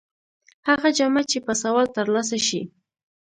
هغه جامه چې په سوال تر لاسه شي.